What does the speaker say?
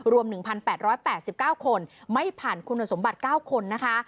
รวมหนึ่งพันแปดร้อยแปดสิบเก้าคนไม่ผ่านคุณสมบัติเก้าคนนะคะ